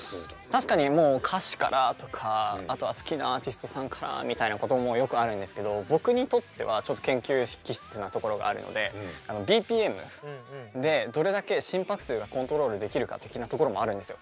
確かに歌詞からとかあとは好きなアーティストさんからみたいなこともよくあるんですけど僕にとってはちょっと研究気質なところがあるのでＢＰＭでどれだけ心拍数がコントロールできるか的なところもあるんですよ。